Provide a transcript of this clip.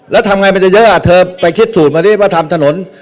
แล้วทำไงมันจะเยอะอ่ะเธอไปคิดสูตรมาดิว่าทำถนน